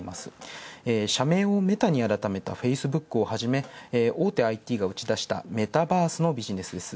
社名をメタに改めてたＦａｃｅｂｏｏｋに加えて大手ＩＴが打ち出した、メタバースのビジネス。